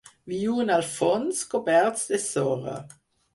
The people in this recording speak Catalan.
Viuen al fons, coberts de sorra.